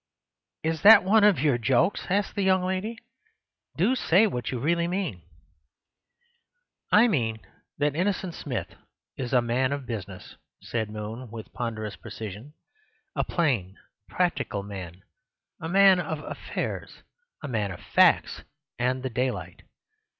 "Is that one of your jokes?" asked the young lady. "Do say what you really mean." "I mean that Innocent Smith is a man of business," said Moon with ponderous precision—"a plain, practical man: a man of affairs; a man of facts and the daylight.